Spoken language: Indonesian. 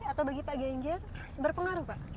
atau bagi pak ganjar berpengaruh pak